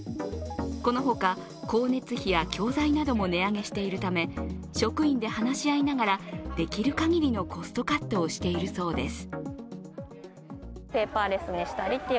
この他、光熱費や教材なども値上げしているため職員で話し合いながらできる限りのコストカットをしているそうです。